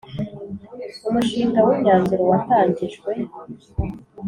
Umushinga w imyanzuro watangijwe.